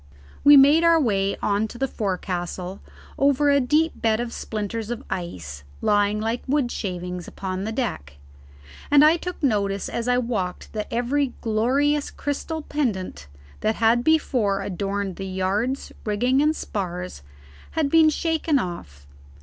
We made our way on to the forecastle over a deep bed of splinters of ice, lying like wood shavings upon the deck, and I took notice as I walked that every glorious crystal pendant that had before adorned the yards, rigging, and spars had been shaken off.